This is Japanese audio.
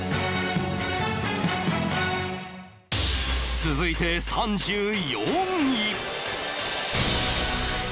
続いて３４位